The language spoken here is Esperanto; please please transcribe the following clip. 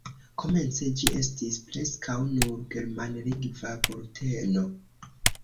Komence ĝi estis preskaŭ nur germanlingva bulteno.